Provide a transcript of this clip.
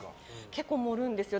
結構盛るんですよ。